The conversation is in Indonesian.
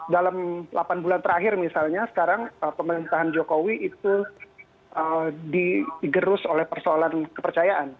dalam delapan bulan terakhir misalnya sekarang pemerintahan jokowi itu digerus oleh persoalan kepercayaan